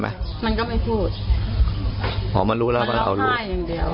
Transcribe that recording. แม่ก็บอกโอ้โหมันทำยังไงทำไมอย่างนี้